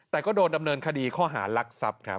แต่ก็โดนดำเนินคดีข้อหารักทรัพย์ครับ